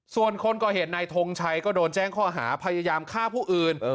ส่วนคนก่อเหตุนายทงชัยก็โดนแจ้งข้อหาพยายามฆ่าผู้อื่น